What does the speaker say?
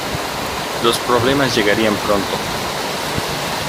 Los problemas llegarían pronto.